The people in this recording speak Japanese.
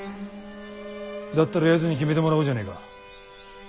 だったらやつに決めてもらおうじゃねえか。